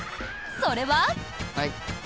それは？